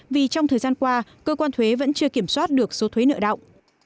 vì trong thời gian qua cơ quan thuế vẫn chưa kiểm soát được số thuế nợ động